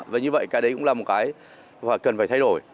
và như vậy cái đấy cũng là một cái và cần phải thay đổi